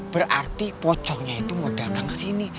berarti pocongnya itu mau datang kesini